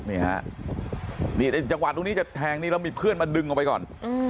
จังหวัดตรงนี้จะแทงแล้วมีเพื่อนมาดึงออกไปก่อน